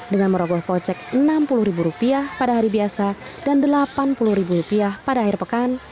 dengan meroboh kocek rp enam puluh pada hari biasa dan rp delapan puluh pada akhir pekan